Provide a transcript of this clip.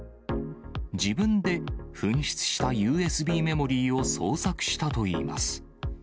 自分で紛失したＵＳＢメモリーを捜索したといいます。